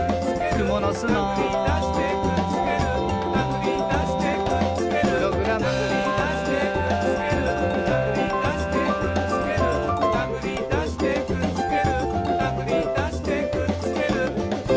「くものすの」「たぐりだしてくっつける」「たぐりだしてくっつける」「プログラム」「たぐりだしてくっつける」「たぐりだしてくっつける」「たぐりだしてくっつけるたぐりだしてくっつける」